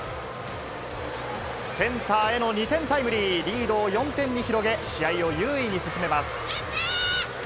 センターへの２点タイムリー、リードを４点に広げ、試合を優位に進めます。